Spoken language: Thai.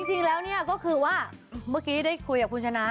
จริงแล้วเนี่ยก็คือว่าเมื่อกี้ได้คุยกับคุณชนะ